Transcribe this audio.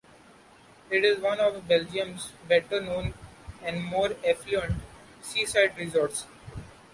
It is one of Belgium's better-known and more affluent seaside resorts.